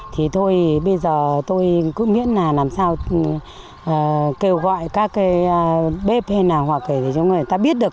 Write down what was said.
thì thôi bây giờ tôi cứ nghĩ là làm sao kêu gọi các bếp hay là họ kể cho người ta biết được